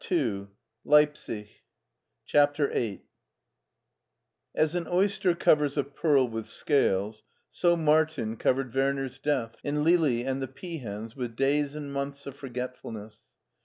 LEIPSIC LEIPSIC CHAPTER VIII A S an oyster covers a pearl with scales, so Martin f\^ covered Werner's death, and Lili and the pea hens, with days and months of forgetfulness.